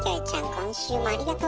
今週もありがとう。